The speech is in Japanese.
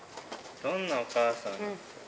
どんなお母さん。